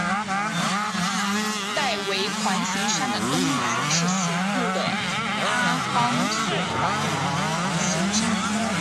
戴维环形山的东南是醒目的阿方索环形山。